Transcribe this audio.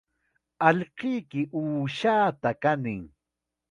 Allquyki uushaata kanish